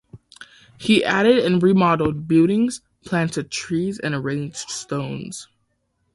He added and remodelled buildings, planted trees, and arranged stones.